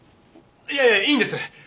いえいいんです！